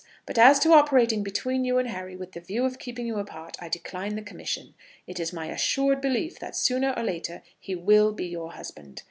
But as to operating between you and Harry, with the view of keeping you apart, I decline the commission. It is my assured belief that sooner or later he will be your husband.